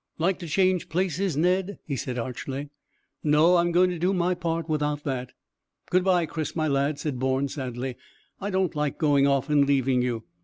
"Like to change places, Ned?" he said archly. "No; I'm going to do my part without that." "Good bye, Chris, my lad," said Bourne sadly. "I don't like going off and leaving you."